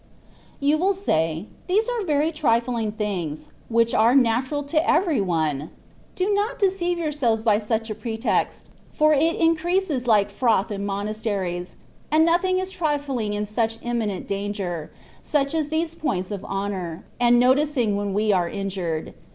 You will say, " These are very trifling things, which are natural to every one.^^ Do not deceive yourselves by such a pretext, for it increases like froth in monasteries, and nothing is trifling in such imminent danger, such as these points of honour, and noticing when we are injured.